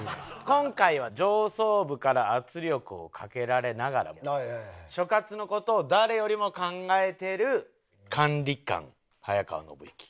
今回は上層部から圧力をかけられながらも所轄の事を誰よりも考えてる管理官早川信行。